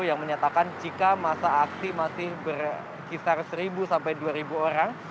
yang mengatakan jika masa akti masih berkisar seribu sampai dua ribu orang